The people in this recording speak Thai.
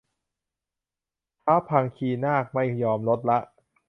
ท้าวพังคีนาคไม่ยอมลดละ